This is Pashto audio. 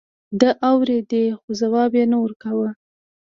ده اورېدې خو ځواب يې نه ورکاوه.